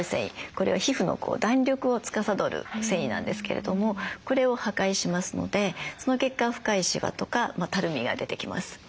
これは皮膚の弾力をつかさどる繊維なんですけれどもこれを破壊しますのでその結果深いシワとかたるみが出てきます。